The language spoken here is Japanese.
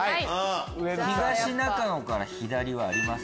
東中野から左はあります？